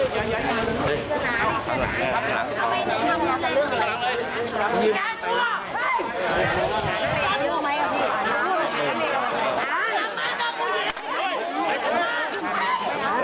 จักรได้ยังไงผู้หญิงมันต้องตายตาม